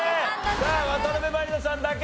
さあ渡辺満里奈さんだけ！